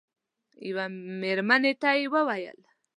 یوه مېرمنې ته مې وویل.